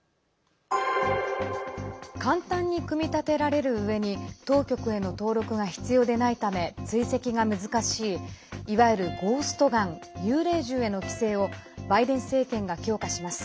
簡単に組み立てられるうえに当局への登録が必要でないため追跡が難しいいわゆるゴーストガン幽霊銃への規制をバイデン政権が強化します。